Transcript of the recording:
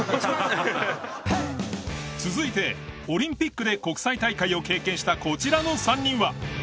続いてオリンピックで国際大会を経験したこちらの３人は。